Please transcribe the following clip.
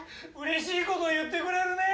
嬉しいこと言ってくれるね！